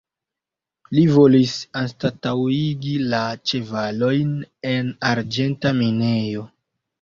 Li volis anstataŭigi la ĉevalojn en arĝenta minejo.